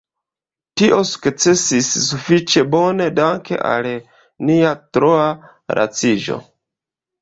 Tio sukcesis sufiĉe bone danke al nia troa laciĝo.